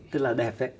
tức là đẹp ấy